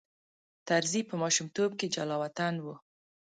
طرزی په ماشومتوب کې جلاوطن و.